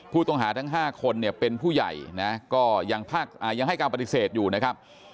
ผู้ต้องหาทั้ง๕คนเนี่ยเป็นผู้ใหญ่นะก็ยังให้การปฏิเสธอยู่นะครับ